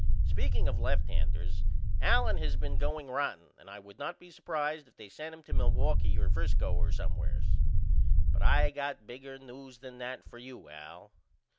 Speaking of left handers Allen has been going rotten and I would not be supprised if they sent him to Milwaukee or Frisco or somewheres. But I got bigger news than that for you Al.